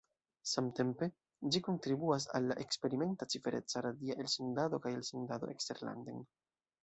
Samtempe ĝi kontribuas al la eksperimenta cifereca radia elsendado kaj elsendado eksterlanden.